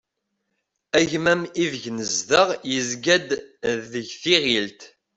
Agmam ideg nezdeɣ yezgan-d deg tiɣilt.